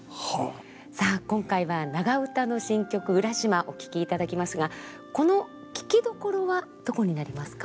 さあ今回は長唄の「新曲浦島」お聴きいただきますがこの聴きどころはどこになりますか？